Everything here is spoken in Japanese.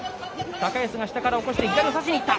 高安が下から起こして左を差しにいった。